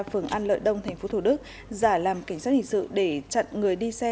phường an lợi đông tp hcm giả làm cảnh sát hình sự để chặn người đi xe